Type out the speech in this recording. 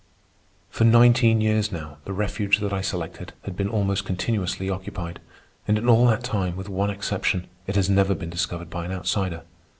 For nineteen years now the refuge that I selected had been almost continuously occupied, and in all that time, with one exception, it has never been discovered by an outsider.